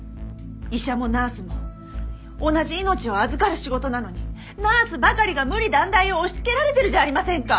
医者もナースも同じ命を預かる仕事なのにナースばかりが無理難題を押しつけられてるじゃありませんか！